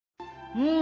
うん！